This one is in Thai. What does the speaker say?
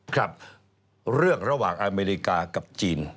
ครับเรื่องระหว่างอเมริกากับจีน